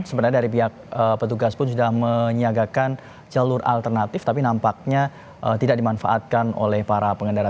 sebenarnya dari pihak petugas pun sudah menyiagakan jalur alternatif tapi nampaknya tidak dimanfaatkan oleh para pengendara